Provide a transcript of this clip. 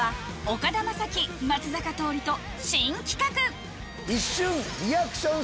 岡田将生松坂桃李とうわ！